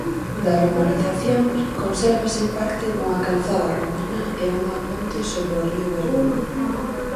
Da romanización consérvase parte dunha calzada romana e unha ponte sobre o río Verdugo.